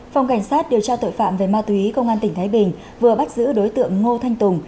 phòng cảnh sát điều tra tội phạm về ma túy công an tỉnh thái bình vừa bắt giữ đối tượng ngô thanh tùng